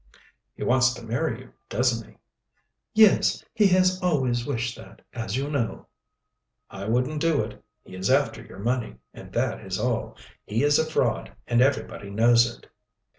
"He wants to marry you, doesn't he?" "Yes, he has always wished that, as you know." "I wouldn't do it. He is after your money, and that is all. He is a fraud, and everybody knows it."